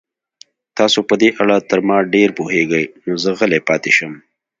تاسو په دې اړه تر ما ډېر پوهېږئ، نو زه غلی پاتې شم.